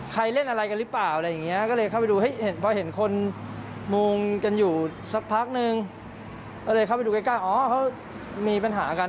ก็เลยเข้าไปดูใกล้อ๋อเขามีปัญหากัน